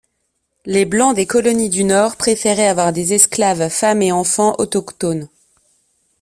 Les blancs des colonies du Nord préféraient avoir des esclaves femmes et enfants autochtones.